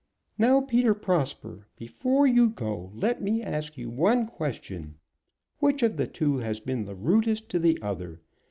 "Now, Peter Prosper, before you go let me ask you one question. Which of the two has been the rudest to the other?